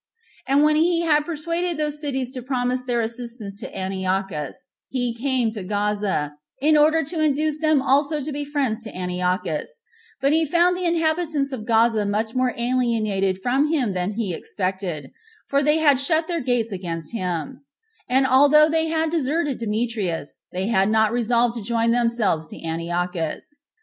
And when he had persuaded those cities to promise their assistance to Antiochus, he came to Gaza, in order to induce them also to be friends to Antiochus; but he found the inhabitants of Gaza much more alienated from him than he expected, for they had shut their gates against him; and although they had deserted Demetrius, they had not resolved to join themselves to Antiochus.